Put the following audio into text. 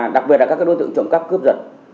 đặc biệt là các đối tượng trộm cắp cướp giật